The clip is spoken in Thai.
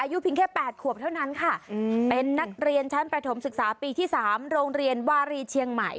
อายุเพียงแค่๘ขวบเท่านั้นค่ะเป็นนักเรียนชั้นประถมศึกษาปีที่๓โรงเรียนวารีเชียงใหม่